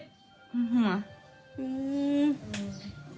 หือหือ